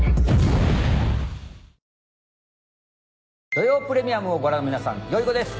『土曜プレミアム』をご覧の皆さんよゐこです。